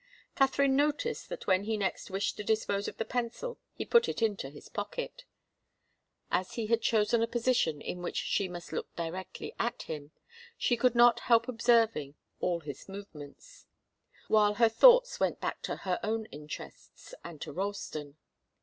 Katharine noticed that when he next wished to dispose of the pencil he put it into his pocket. As he had chosen a position in which she must look directly at him, she could not help observing all his movements, while her thoughts went back to her own interests and to Ralston.